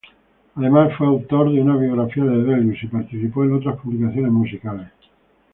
Además, fue autor de una biografía de Delius y participó en otras publicaciones musicales.